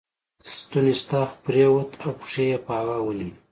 ستونی ستغ پر ووت او پښې یې په هوا ونیولې.